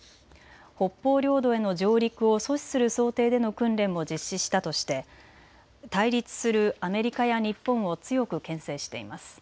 北方領土への上陸を阻止する想定での訓練も実施したとして対立するアメリカや日本を強くけん制しています。